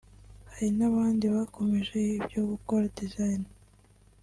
Hari n’abandi bakomeje ibyo gukora design